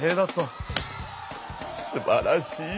すばらしい！